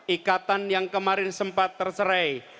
ikatan yang kemarin sempat terserai